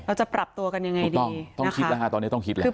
เราจะปรับตัวกันยังไงดี